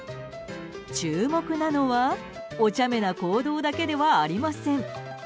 注目なのはおちゃめな行動だけではありません。